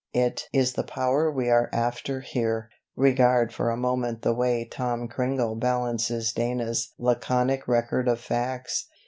It is the power we are after here. Regard for a moment the way 'Tom Cringle' balances Dana's laconic record of facts.